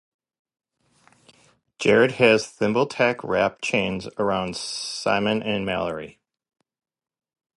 Jared has Thimbletack wrap chains around Simon and Mallory.